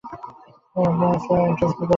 তিনি রংপুর হাইস্কুলে এন্ট্রান্স পর্যন্ত পড়েন ।